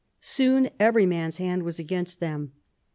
Soon every man's hand was against them.